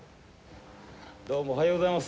どうもおはようございます。